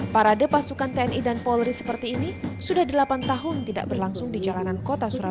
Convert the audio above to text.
parade pasukan tni dan polri seperti ini sudah delapan tahun tidak berlangsung di jalanan kota surabaya